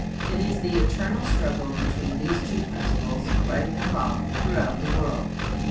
It is the eternal struggle between these two principles right and wrong throughout the world.